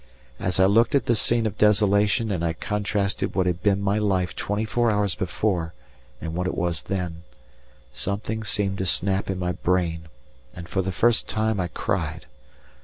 As I looked at this scene of desolation and I contrasted what had been my life twenty four hours before and what it was then, something seemed to snap in my brain, and for the first time I cried.